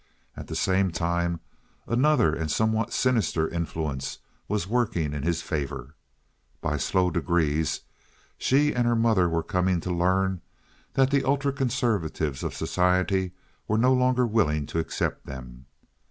At the same time another and somewhat sinister influence was working in his favor. By slow degrees she and her mother were coming to learn that the ultra conservatives of society were no longer willing to accept them.